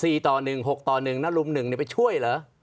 ต่อหนึ่งหกต่อหนึ่งนะลุมหนึ่งเนี่ยไปช่วยเหรอ